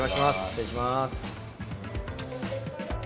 失礼します。